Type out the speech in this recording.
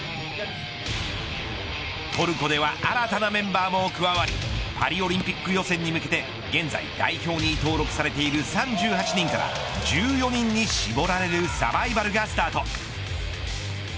トルコでは新たなメンバーも加わりパリオリンピック予選に向けて現在代表に登録されている３８人から１４人に絞られるサバイバルがスタート。